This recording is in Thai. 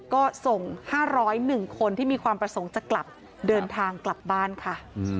ก็ส่ง๕๐๑คนที่มีความประสงค์จะกลับเดินทางกลับบ้านค่ะ